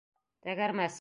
Тәгәрмәс